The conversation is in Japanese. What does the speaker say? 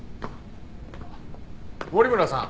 守村さん